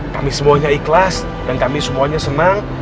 kami semuanya ikhlas dan kami semuanya senang